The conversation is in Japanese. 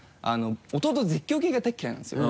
弟絶叫系が大嫌いなんですよ。